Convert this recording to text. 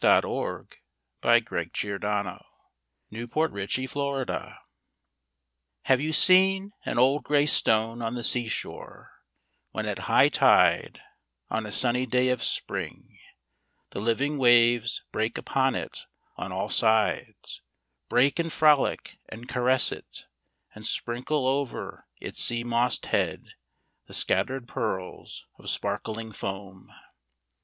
Dec, 1878. 304 POEMS IN PROSE n [1879 1882] THE STONE Have you seen an old grey stone on the sea shore, when at high tide, on a sunny day of spring, the living waves break upon it on all sides — break and frolic and caress it — and sprinkle over its sea mossed head the scattered pearls of sparkling foam